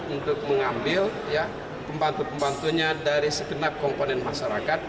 untuk mengambil pembantu pembantunya dari segenap komponen masyarakat